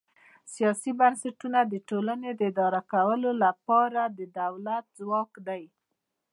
سیاسي بنسټونه د ټولنې د اداره کولو لپاره د دولت ځواک دی.